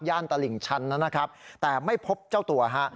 ย่านตลิ่งชั้นนั้นนะครับแต่ไม่พบเจ้าตัวฮะ